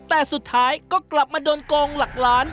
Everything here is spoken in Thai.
แต่สุดท้ายก็กลับมาโดนโกงหลักล้าน